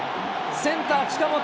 センター、近本。